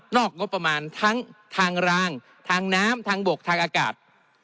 อกงบประมาณทั้งทางรางทางน้ำทางบกทางอากาศ